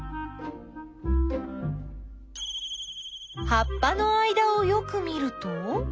はっぱの間をよく見ると。